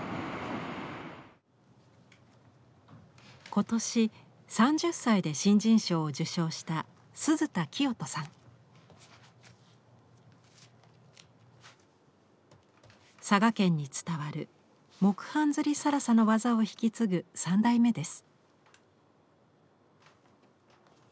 今年３０歳で新人賞を受賞した佐賀県に伝わる木版摺更紗の技を引き継ぐ３代目です。